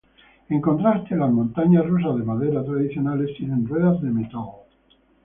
En contraste, las montañas rusas de madera tradicionales tienen ruedas de metal.